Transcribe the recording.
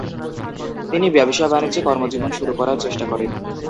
তিনি ব্যবসা-বাণিজ্যে কর্মজীবন শুরু করার চেষ্টা করেন।